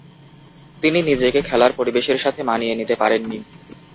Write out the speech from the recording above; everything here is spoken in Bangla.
তিনি নিজেকে খেলার পরিবেশের সাথে মানিয়ে নিতে পারেননি।